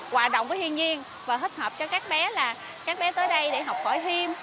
hòa động với thiên nhiên và thích hợp cho các bé là các bé tới đây để học hỏi thêm